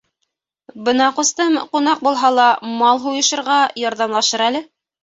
Бына ҡустым, ҡунаҡ булһа ла, мал һуйышырға ярҙамлашыр әле.